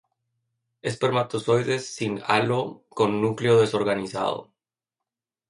Espermatozoides sin halo, con núcleo desorganizado.